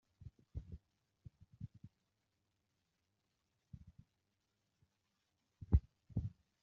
Turacyagerageza kumenya uburyo umugororwa yaje kuyikoresha.